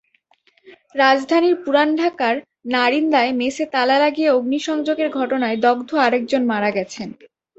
রাজধানীর পুরান ঢাকার নারিন্দায় মেসে তালা লাগিয়ে অগ্নিসংযোগের ঘটনায় দগ্ধ আরেকজন মারা গেছেন।